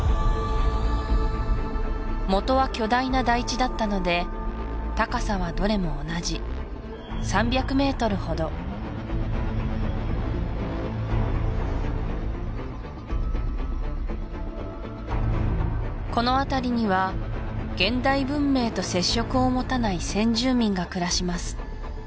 もとは巨大な台地だったので高さはどれも同じ３００ｍほどこのあたりには現代文明と接触を持たない先住民が暮らします